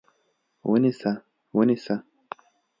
ونیسه! ونیسه!